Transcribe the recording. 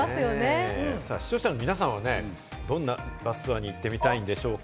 視聴者の皆さんは、どんなバスツアーに行ってみたいんでしょうか？